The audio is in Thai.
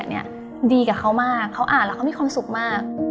สิ่งที่เราเขียนดีกับเขามากเขาอ่านแล้วเขามีความสุขมาก